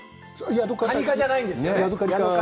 カイ科じゃないんですよね。